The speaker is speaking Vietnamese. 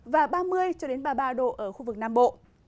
và ba mươi cho đến ba mươi ba độ ở khu vực nam bộ